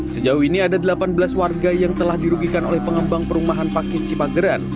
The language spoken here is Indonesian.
sejauh ini ada delapan belas warga yang telah dirugikan oleh pengembang perumahan pakis cipageran